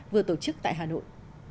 vừa tổ chức tại hà nội